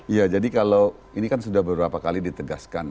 iya jadi kalau ini kan sudah beberapa kali ditegaskan